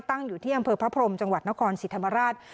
ตั้งอยู่ที่อำเภอพระพรมจังหวัดนครศรีธรรมราช